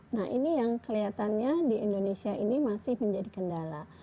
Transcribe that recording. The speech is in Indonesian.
nah ini yang kelihatannya di indonesia ini masih menjadi kendala